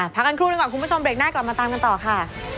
พักกันครู่หนึ่งก่อนคุณผู้ชมเบรกหน้ากลับมาตามกันต่อค่ะ